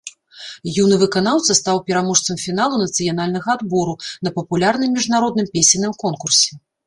Юны выканаўца стаў пераможцам фіналу нацыянальнага адбору на папулярным міжнародным песенным конкурсе.